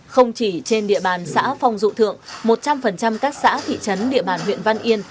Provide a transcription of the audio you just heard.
không chỉ trên địa bàn xã phong dụ thượng một trăm linh các xã thị trấn địa bàn huyện văn yên